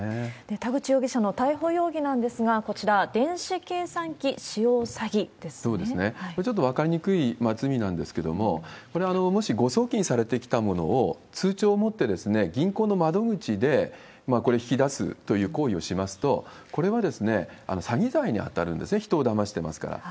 田口容疑者の逮捕容疑なんですが、こちら、電子計算機使用詐これ、ちょっと分かりにくい罪なんですけども、これ、もし誤送金されてきたものを、通帳を持って銀行の窓口で引き出すという行為をしますと、これは詐欺罪に当たるんですね、人をだましてますから。